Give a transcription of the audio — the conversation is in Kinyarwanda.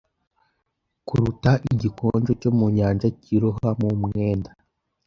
kuruta igikonjo cyo mu Nyanja cyiroha mu mwenda